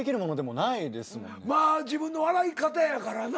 まあ自分の笑い方やからな。